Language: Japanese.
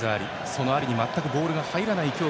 そのアリに全くボールが入らない今日